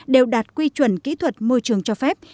đều đạt quy chuẩn kỹ thuật môi trường cho phép